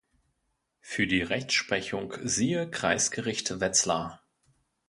Für die Rechtsprechung siehe Kreisgericht Wetzlar.